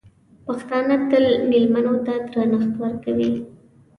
پښتانه تل مېلمنو ته درنښت ورکوي.